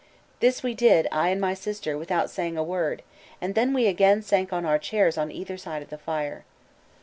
This we did, I and my sister, without saying a word, and then we again sank on our chairs on either side of the fire.